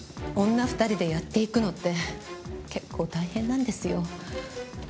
女２人でやっていくのって結構大変なんですよ。